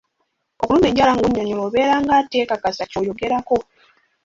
Okuluma njala ng'onyonnyola obeera ng'ateekakasa ky'oyogerako.